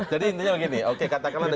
jadi intinya begini oke katakanlah